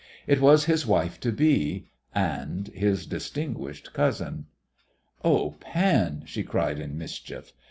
It was his wife to be and his distinguished cousin. "Oh, Pan!" she cried in mischief.